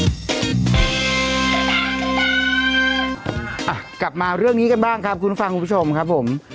กลับมาเรื่องนี้กันบ้างครับคุณฟังคุณผู้ชมครับผม